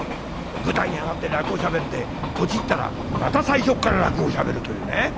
舞台に上がって落語しゃべってとちったらまた最初っから落語しゃべるというね。